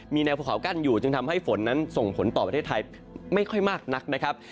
มีแนวภูเขากั้นอยู่จึงทำให้ฝนนั้นส่งผลต่อประเทศไทยไม่ค่อยมากนักนะครับ